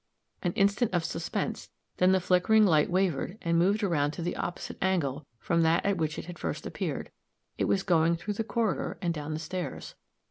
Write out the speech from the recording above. An instant of suspense then the flickering light wavered and moved around to the opposite angle from that at which it had first appeared it was going through the corridor and down the stairs.